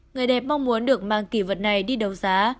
người đẹp mong muốn được mang kỳ vật này đi đấu giá